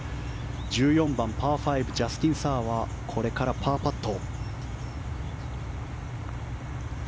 １４番、パー５ジャスティン・サーはこれからパーパット。